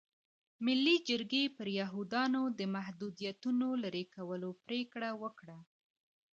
ملي جرګې پر یهودیانو د محدودیتونو لرې کولو پرېکړه وکړه.